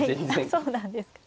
あっそうなんですか。